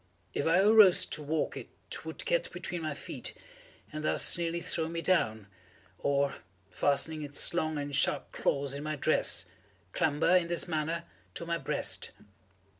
If I arose to walk it would get between my feet and thus nearly throw me down, or, fastening its long and sharp claws in my dress, clamber, in this manner, to my breast.